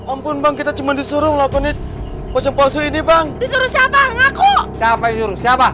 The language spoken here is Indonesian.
ampun bang kita cuma disuruh ngelakuin posisi ini bang disuruh siapa ngaku siapa disuruh siapa